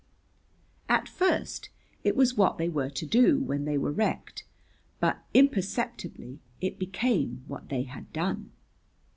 At first it was what they were to do when they were wrecked, but imperceptibly it became what they had done.